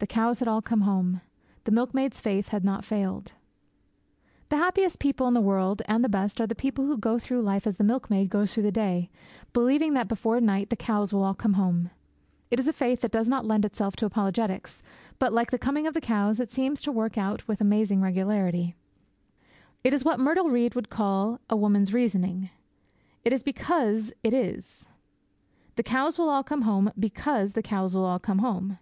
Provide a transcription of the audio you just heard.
The cows had all come home. The milkmaid's faith had not failed. The happiest people in the world, and the best, are the people who go through life as the milkmaid goes through the day, believing that before night the cows will all come home. It is a faith that does not lend itself to apologetics, but, like the coming of the cows, it seems to work out with amazing regularity. It is what Myrtle Reed would call 'a woman's reasoning.' It is because it is. The cows will all come home because the cows will all come home.